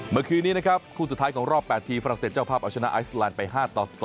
เมื่อคืนนี้นะครับคู่สุดท้ายของรอบ๘ทีมฝรั่งเศสเจ้าภาพเอาชนะไอซแลนด์ไป๕ต่อ๒